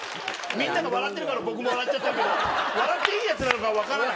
みんなが笑ってるから僕も笑っちゃったけど笑っていいやつなのか分からない。